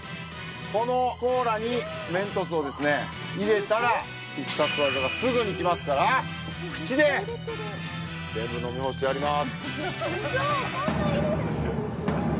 このコーラにメントスを入れたら必殺技がすぐにいきますから口で全部飲み干してやります。